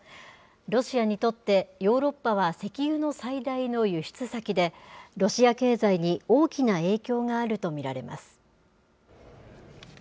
ロシアにとってヨーロッパは石油の最大の輸出先で、ロシア経済に大きな影響があると見られます。